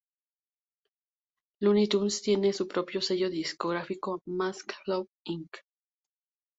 Luny Tunes tienen su propio sello discográfico: Mas Flow Inc.